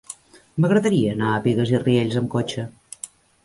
M'agradaria anar a Bigues i Riells amb cotxe.